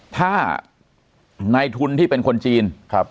ถ้านายทุนที่เป็นคนจีน